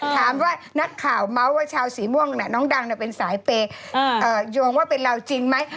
ถามว่านักข่าวเมาส์ว่าชาวสีม่วงน้องดังเป็นสายเปย์โยงว่าเป็นเราจริงไหม